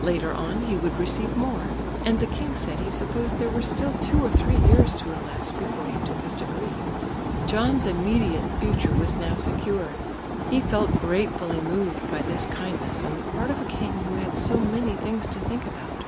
Later on he would receive more, and the king said he supposed there were still two or three years to elapse before he took his degree. John's immediate future was now secure. He felt gratefully moved by this kindness on the part of a king who had so many things to think about.